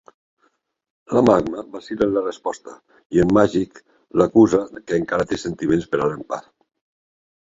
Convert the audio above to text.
La Magma vacil·la en la resposta i en Magik l'acusa que encara té sentiments per a l'Empath.